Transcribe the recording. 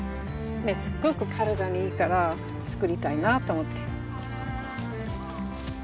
すっごく体にいいから作りたいなと思って。